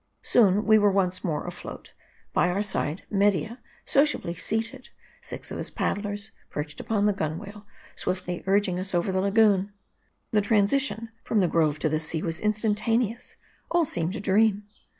Soon, we were once more afloat ; by our side, Media so ciably seated ; six of his paddlers, perched upon the gun wale, swiftly urging us over the lagoon. The transition from the grove to the sea was instanta neous. All seemed a dream.